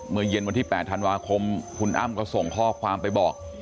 เย็นวันที่๘ธันวาคมคุณอ้ำก็ส่งข้อความไปบอก